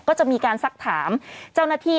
ก็จะมีการสักถามเจ้าหน้าที่